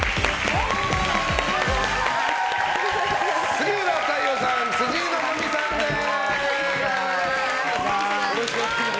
杉浦太陽さん、辻希美さんです。